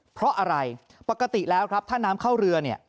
เพราะอะไรปกติแล้วครับถ้าน้ำเข้าเรือเนี่ย